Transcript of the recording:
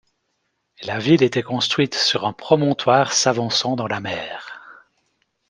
La ville était construite sur un promontoire s'avançant dans la mer.